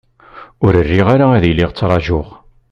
Ur riɣ ara ad iliɣ trajuɣ.